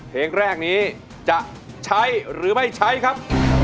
เพลงแรกนี้จะใช้หรือไม่ใช้ครับ